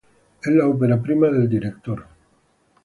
Es la opera prima del director.